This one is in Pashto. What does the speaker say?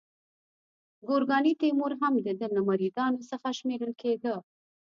ګورکاني تیمور هم د ده له مریدانو څخه شمیرل کېده.